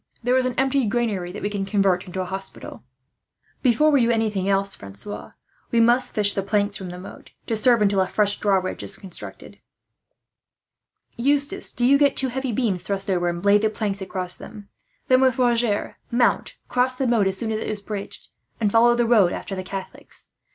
There is an empty granary that we will convert into a hospital." "Before we do anything else, Francois, we must fish the planks from the moat, to serve until a fresh drawbridge is constructed. "Eustace, do you get two heavy beams thrust over, and lay the planks across them; then with Roger mount, cross the moat as soon as it is bridged, and follow the road after the Catholics.